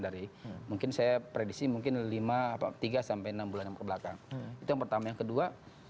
dari mungkin saya predisi mungkin lima apa tiga sampai enam bulan kebelakang itu yang pertama yang kedua